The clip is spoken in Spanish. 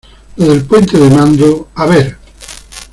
lo del puente de mando. a ver ...